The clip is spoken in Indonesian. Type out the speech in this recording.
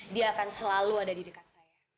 dia akan selalu ada di dekat saya